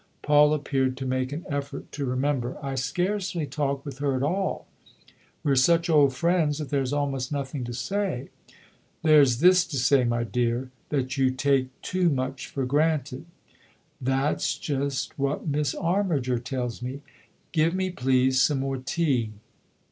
" Paul appeared to make an effort to remember. " I scarcely talk with her at all. We're such old friends that there's almost nothing to say." " There's this to say, my dear that you take too much for granted I "" That's just what Miss Armiger tells me. Give me, please, some more tea."